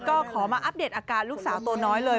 ก็ขอมาอัปเดตอาการลูกสาวตัวน้อยเลย